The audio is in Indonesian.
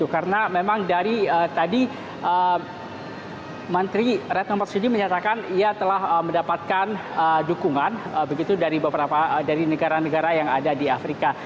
karena memang dari tadi menteri retno marsudi menyatakan ia telah mendapatkan dukungan dari beberapa negara negara yang ada di afrika